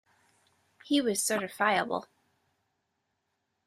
He was certifiable.